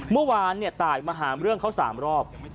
เมื่อวานตายมาหาเรื่องเขา๓รอบ